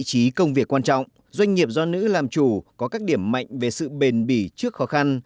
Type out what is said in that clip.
doanh nghiệp do nữ làm chủ có các điểm mạnh về sự bền bỉ trước khó khăn